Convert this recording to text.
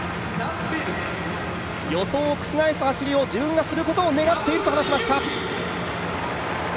予想を覆す走りを自分がすることを願っていると話しました。